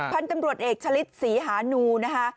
พันธุ์ตำรวจเอกชะลิดศรีหานูนะคะ